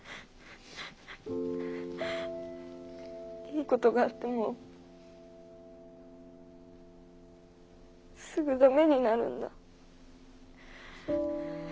いいことがあってもすぐダメになるんだ。